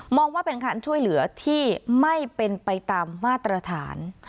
ว่าเป็นการช่วยเหลือที่ไม่เป็นไปตามมาตรฐาน